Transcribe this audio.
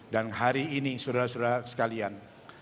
dan hari ini suruh suruh sekalian